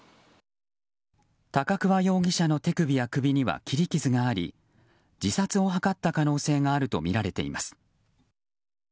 高桑容疑者の手首や首には切り傷があり自殺を図った可能性があるとみられています。